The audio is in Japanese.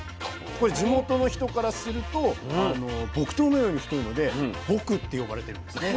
これ地元の人からすると木刀のように太いので「ボク」って呼ばれてるんですね。